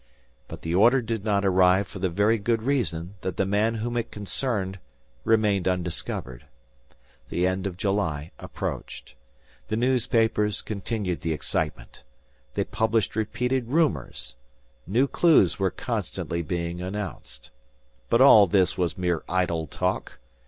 But the order did not arrive for the very good reason that the man whom it concerned remained undiscovered. The end of July approached. The newspapers continued the excitement. They published repeated rumors. New clues were constantly being announced. But all this was mere idle talk.